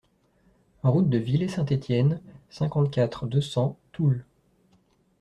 Route de Villey-Saint-Étienne, cinquante-quatre, deux cents Toul